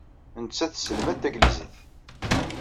Nettat tesselmad tanglizit.